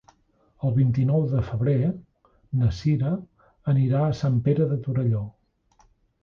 El vint-i-nou de febrer na Sira anirà a Sant Pere de Torelló.